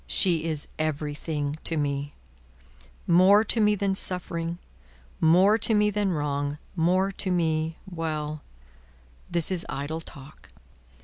She is everything to me; more to me than suffering, more to me than wrong, more to me Well! This is idle talk."